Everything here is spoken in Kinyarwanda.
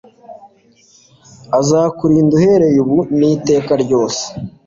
azakurinda uhereye ubu n'iteka ryose